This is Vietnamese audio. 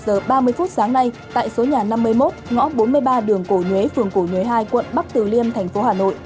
giờ ba mươi phút sáng nay tại số nhà năm mươi một ngõ bốn mươi ba đường cổ nhuế phường cổ nhuế hai quận bắc từ liêm tp hcm